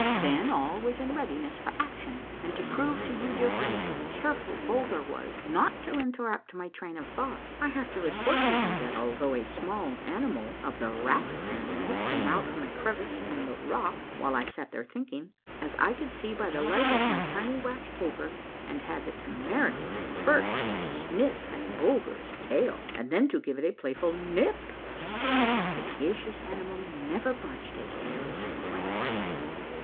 Then all was in readiness for action ; and to prove to you, dear friends, how careful Bulger was not to interrupt my train of thought, I have to report to you that although a small animal of BKFORE her majesty GALAXA» queen of the MIKKAMENKIE3. A MARVELLOUS UNDERGROUND JOURNEY 37 the rat family came out from a crevice in the rock while I sat there thinking, as 1 could see by the light of my tiny wax taper, and had the temerity first to snifi; at Bulger's tail and then to give it a playful nip, yet the sagacious animal never budged a hair's breadth.